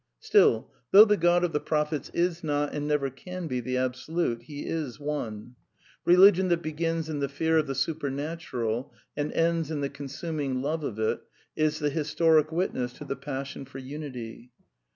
Still, though the God of the prophets is not and never can be the Absolute, he is One. Eeligion that begins in the fear of the supernatural and ends in the consuming love of it, is the historic witness to the passion for unity.